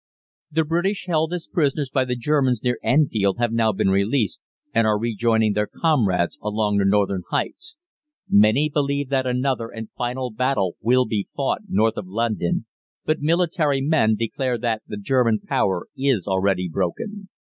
The British held as prisoners by the Germans near Enfield have now been released, and are rejoining their comrades along the northern heights. Many believe that another and final battle will be fought north of London, but military men declare that the German power is already broken.